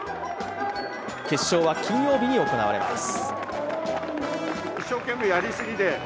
決勝は金曜日に行われます。